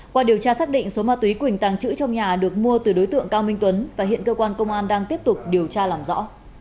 qua điều tra xác định số ma túy quỳnh tàng trữ trong nhà được mua từ đối tượng cao minh tuấn và hiện cơ quan công an đang tiếp tục điều tra làm rõ